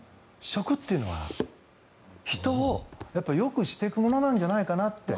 食というのは人をよくしていくものなんじゃないかなって。